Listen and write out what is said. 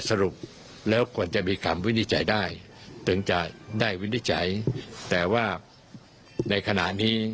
สรุปแล้วควรจะมีคำวินิจฉัยได้ถึงจะได้วินิจฉัยแต่ว่าในขณะนี้